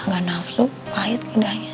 gak nafsu pahit ke udahnya